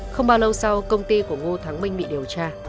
không bao lâu sau công ty của ngô thắng minh bị điều tra